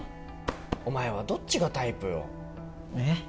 お前はどっちがタイプよえっ？